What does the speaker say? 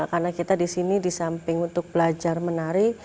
karena kita disini di samping untuk belajar menari